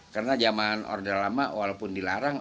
karena zaman order lama walaupun dilarang